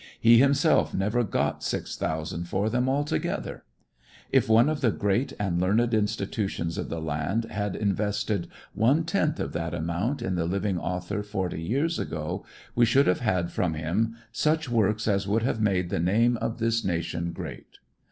He himself never got six thousand for them altogether. If one of the great and learned institutions of the land had invested one tenth of that amount in the living author forty years ago we should have had from him such works as would have made the name of this nation great.